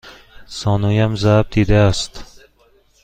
زانویم ضرب دیده است.